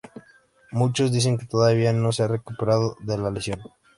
Muchos dicen que todavía no se ha recuperado de la lesión.